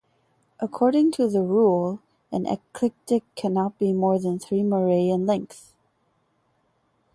According to the rule, an enclitic cannot be more than three morae in length.